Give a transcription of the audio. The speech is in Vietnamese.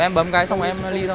em bấm cái xong em nó đi thôi